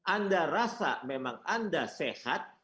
anda rasa memang anda sehat